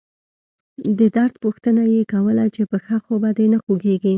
د درد پوښتنه يې کوله چې پښه خو به دې نه خوږيږي.